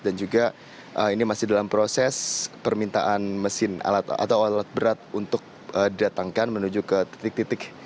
dan juga ini masih dalam proses permintaan mesin atau alat berat untuk didatangkan menuju ke titik titik